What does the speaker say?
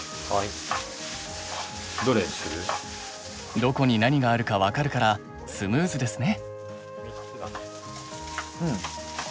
どこに何があるか分かるからスムーズですね。